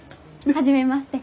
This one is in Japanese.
初めまして。